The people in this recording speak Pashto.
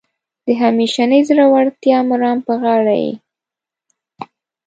د همیشنۍ زړورتیا مرام په غاړه یې.